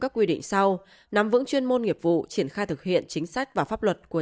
các quy định sau nắm vững chuyên môn nghiệp vụ triển khai thực hiện chính sách và pháp luật của